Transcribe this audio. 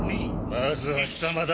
まずは貴様だ。